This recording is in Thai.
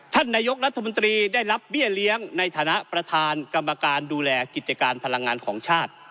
ท่านนายกรัฐมนตรีได้รับเบี้ยเลี้ยงในฐานะประธานกรรมการดูแลกิจการพลังงานของชาติ